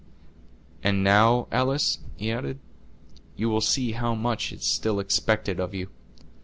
"And now, Alice," he added, "you will see how much is still expected of you.